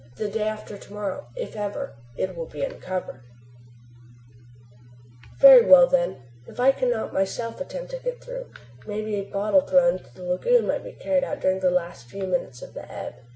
The day after to morrow, if ever, it will be uncovered. Very well then, if I cannot myself attempt to get through, may be a bottle thrown into the lagoon might be carried out during the last few minutes of the ebb.